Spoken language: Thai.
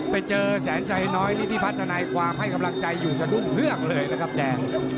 ไปเจอแสนชัยน้อยนิธิพัฒนายความให้กำลังใจอยู่สะดุ้งเฮืองเลยนะครับแดง